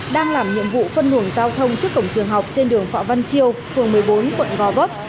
đang làm nhiệm vụ phân luồng giao thông trước cổng trường học trên đường phạm văn chiêu phường một mươi bốn quận gò vấp